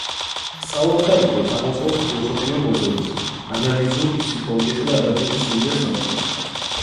სწავლობს და იკვლევს აღმოსავლურ ფილოსოფიურ მოძღვრებებს, ანალიზურ ფსიქოლოგიასა და ადამიანის სულიერ სამყაროს.